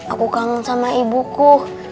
aku kangen sama ibuku